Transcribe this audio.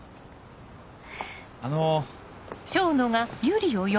あの。